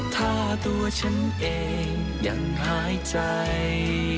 ถ้าตัวฉันเองยังหายใจ